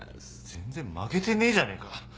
全然負けてねえじゃねえか。